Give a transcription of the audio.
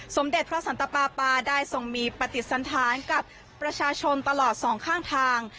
สมเด็จพระสันตปาปาได้ทรงมีปฏิสันธารกับประชาชนตลอดสองข้างทาง